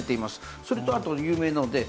それとあと有名なので。